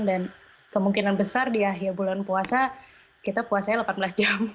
dan kemungkinan besar di akhir bulan puasa kita puasanya delapan belas jam